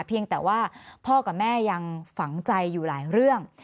เพียงแต่ว่าพ่อกับแม่ยังฝังใจอยู่หลายเรื่อง